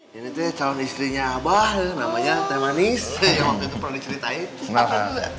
hai ini teh calon istrinya abah namanya teh manis yang kita perlu ceritain nah